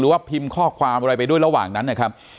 ว่าพิมพ์ข้อความอะไรไปด้วยระหว่างนั้นนะครับ